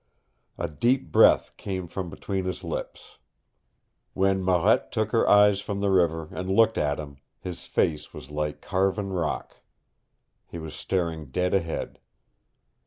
A deep breath came from between his lips. When Marette took her eyes from the river and looked at him, his face was like carven rock. He was staring dead ahead.